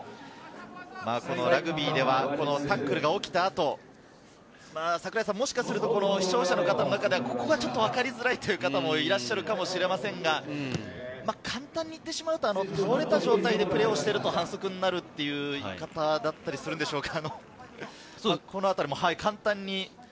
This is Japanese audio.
ラグビーではタックルが起きた後、もしかすると視聴者の方の中には、ここがちょっとわかりづらいという方もいらっしゃるかもしれませんが、簡単に言ってしまうと、倒れた状態でプレーをしてると反則になるっていう言い方だったりするんでしょうか。